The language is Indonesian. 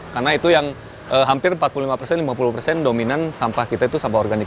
karena itu yang hampir empat puluh lima lima puluh dominan sampah kita itu sampah organik